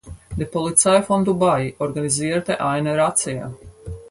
Die Polizei von Dubai organisierte eine Razzia.